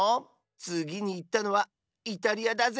つぎにいったのはイタリアだぜ。